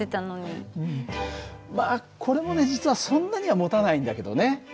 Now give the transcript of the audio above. まあこれもね実はそんなにはもたないんだけどね。